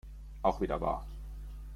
Auch wieder wahr.